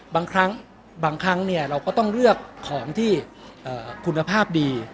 บางครั้งบางครั้งเราก็ต้องเลือกของที่คุณภาพดี